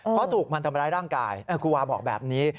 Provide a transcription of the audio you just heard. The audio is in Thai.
เพราะถูกมันทำร้ายร่างกายครูวาบอกแบบนี้